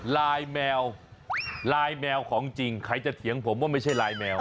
ลายแมวลายแมวของจริงใครจะเถียงผมว่าไม่ใช่ลายแมว